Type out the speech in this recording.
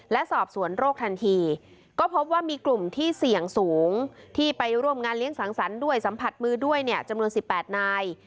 และสอบสวนโรคทันทีก็พบว่ามีกลุ่มที่เสี่ยงสูงที่ไปร่วมงานเลี้ยงสังสรรค์ด้วยสัมผัสมือด้วยเนี่ยจำนวน๑๘นาย